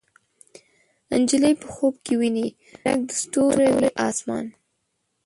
نجلۍ په خوب کې ویني ډک د ستورو، وي اسمان